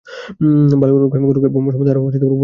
বালক গুরুকে ব্রহ্ম সম্বন্ধে আরও উপদেশ দিবার জন্য বলিল।